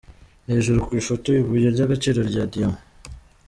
Hejuru ku ifoto: Ibuye ry’agaciro rya diamant.